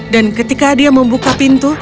dan ketika dia membuka pintu